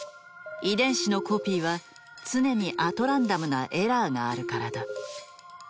遺伝子のコピーは常にアトランダムなエラーがあるからだ。